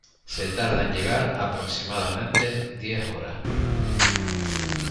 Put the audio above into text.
Se tarda en llegar aproximadamente diez horas.